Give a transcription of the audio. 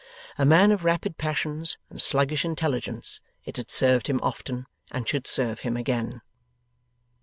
A man of rapid passions and sluggish intelligence, it had served him often and should serve him again.